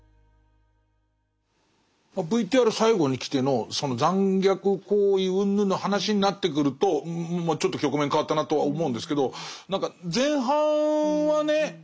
ＶＴＲ最後にきてのその残虐行為うんぬんの話になってくるとまあちょっと局面変わったなとは思うんですけど前半はね